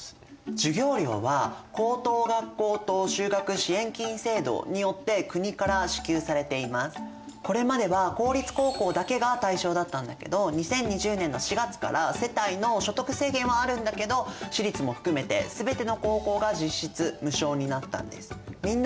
授業料はこれまでは公立高校だけが対象だったんだけど２０２０年の４月から世帯の所得制限はあるんだけど私立も含めてすべての高校が実質無償になったんです。